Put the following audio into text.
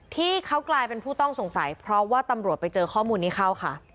ที่เขากลายเป็นผู้ต้องสงสัยเพราะว่าตำรวจไปเจอข้อมูลนี้เข้าค่ะ